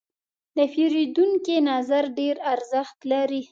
د پیرودونکي نظر ډېر ارزښت لري.